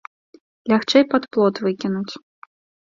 Лягчэй пад плот выкінуць.